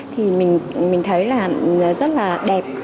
thì mình thấy là rất là đẹp